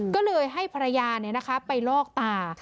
ก็เลยให้ภรรยาไปลอกตา